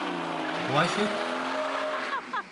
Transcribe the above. Ğuelhıt!